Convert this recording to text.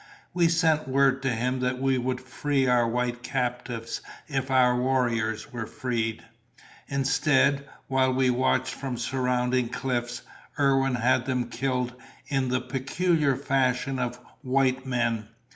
We sent word to him that we would free our white captives if our warriors were freed. Instead, while we watched from surrounding cliffs, Irwin had them killed in the peculiar fashion of white men.